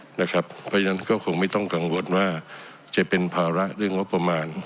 เพราะฉะนั้นก็คงไม่ต้องกังวลว่าจะเป็นภาระเรื่องงบประมาณ